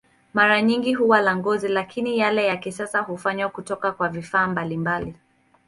Mara nyingi huwa la ngozi, lakini yale ya kisasa hufanywa kutoka kwa vifaa mbalimbali.